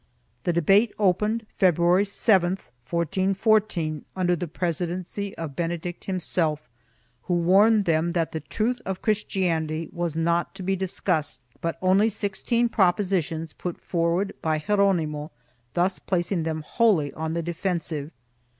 The debate opened, February 7, 1414, under the presi dency of Benedict himself, who warned them that the truth of Christianity was not to be discussed but only sixteen propositions put forward by Geronimo, thus placing them wholly on the defen sive.